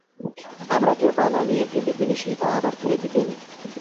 আমরা কেউ পা নামিয়ে ফেললে তিনি সেই পা আবার তুলে দিতেন।